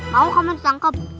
mau kamu ditangkap